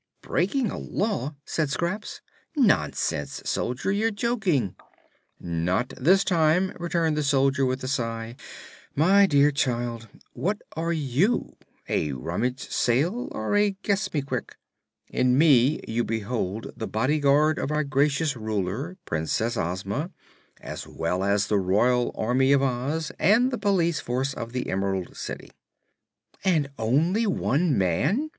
"Breaking a law!" said Scraps. "Nonsense, Soldier; you're joking." "Not this time," returned the soldier, with a sigh. "My dear child what are you, a rummage sale or a guess me quick? in me you behold the Body Guard of our gracious Ruler, Princess Ozma, as well as the Royal Army of Oz and the Police Force of the Emerald City." "And only one man!"